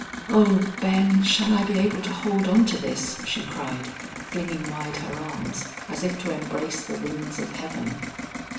"Oh, Ben shall I be able to hold onto this?" she cried, flinging wide her arms, as if to embrace the winds of heaven.